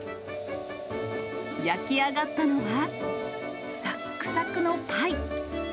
焼き上がったのは、さっくさくのパイ。